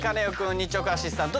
日直アシスタント